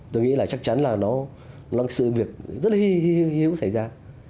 tôi nghĩ là chắc chắn là nó là sự việc rất là hi hữu xảy ra